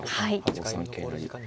５三桂成。